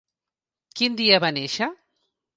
Quin dia va néixer?